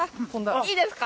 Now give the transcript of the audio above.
いいですか？